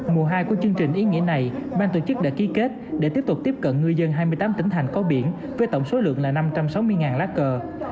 mùa hai của chương trình ý nghĩa này ban tổ chức đã ký kết để tiếp tục tiếp cận ngư dân hai mươi tám tỉnh thành có biển với tổng số lượng là năm trăm sáu mươi lá cờ